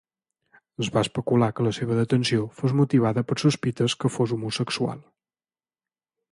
Es va especular que la seva detenció fos motivada per sospites que fos homosexual.